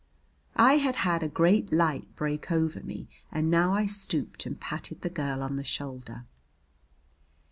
I had had a great light break over me, and now I stooped and patted the girl on the shoulder.